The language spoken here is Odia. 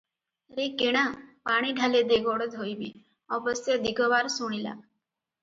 ରେ କିଣା, ପାଣି ଢାଳେ ଦେ ଗୋଡ଼ ଧୋଇବି ।' ଅବଶ୍ୟ ଦିଗବାର ଶୁଣିଲା ।